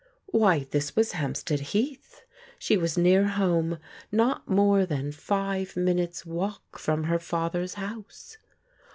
Why, this was Hampstead Heath! She was near home; not more than five minutes* walk from her fa ther's house!